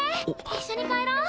一緒に帰ろう。